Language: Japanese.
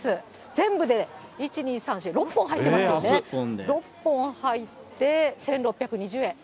全部で、１、２、３、４、６本入ってますよね、６本入って１６２０円。